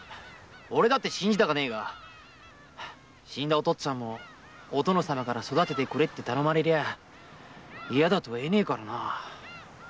俺だって信じたくねえが死んだお父っつぁんもお殿様から「育ててくれ」って頼まれりゃ嫌と言えねえからな。